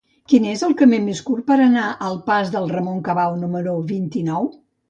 Quin és el camí més curt per anar al pas de Ramon Cabau número vint-i-nou?